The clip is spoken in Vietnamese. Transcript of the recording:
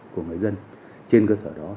của người dân trên cơ sở đó